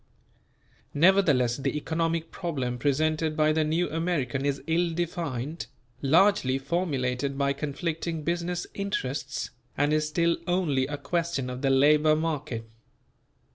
Nevertheless the economic problem presented by the New American is ill defined, largely formulated by conflicting business interests, and is still only a question of the labour market.